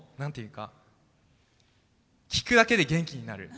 聴くだけで元気になる。